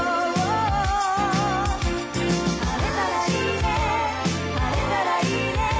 「晴れたらいいね晴れたらいいね」